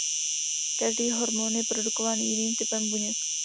Každý hormon je produkován jiným typem buněk.